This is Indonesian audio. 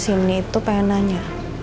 tidak tidak ada gunanya